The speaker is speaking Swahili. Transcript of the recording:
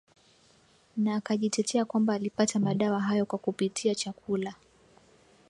na akajitetea kwamba alipata madawa hayo kwa kupitia chakula